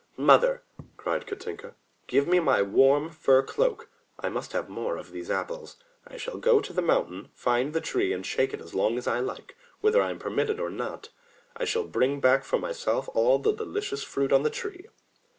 "Mother/' cried Katinka, "Give me my warm fur cloak. I must have more of these apples. I shall go to the mountain, find the tree and shake it as long as I like, whether I am per mitted or not. I shall bring back for myself all the delicious fruit on the tree.